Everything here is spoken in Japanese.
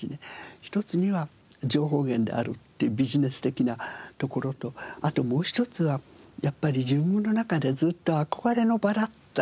一つには情報源であるっていうビジネス的なところとあともう一つはやっぱり自分の中でずっと憧れの場だったんですよね。